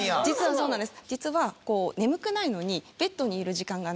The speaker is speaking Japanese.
そうなんです。